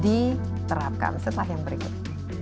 diterapkan setelah yang berikut